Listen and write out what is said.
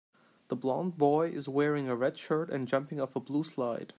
The blond boy is wearing a red shirt and jumping off of a blue slide.